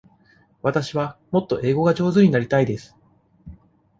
わたしはもっと英語が上手になりたいです。